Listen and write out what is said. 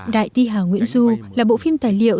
đại thi hà nguyễn du là bộ phim tài liệu